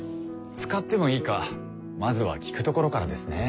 使ってもいいかまずは聞くところからですね。